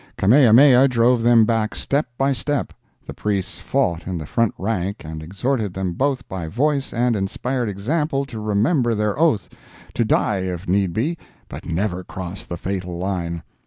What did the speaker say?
Kamehameha drove them back step by step; the priests fought in the front rank and exhorted them both by voice and inspiring example to remember their oath—to die, if need be, but never cross the fatal line.